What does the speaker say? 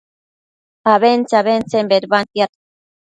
abentse-abentsen bedbantiad